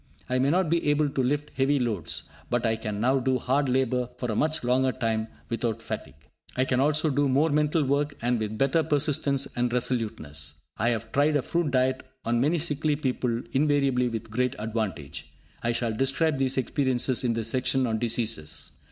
I may not be able to lift heavy loads, but I can now do hard labour for a much longer time without fatigue. I can also do more mental work, and with better persistence and resoluteness. I have tried a fruit diet on many sickly people, invariably with great advantage. I shall describe these experiences in the section on diseases.